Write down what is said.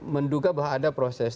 menduga bahwa ada proses